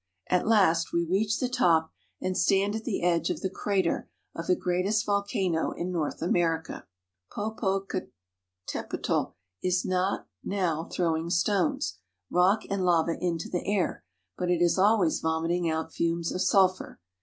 At last we reach the top, and stand at the edge of the crater of the greatest volcano in North America. Popocatepetl is not now throwing stones, rock, and lava into the air, but it is always vomiting out fumes of sulphur.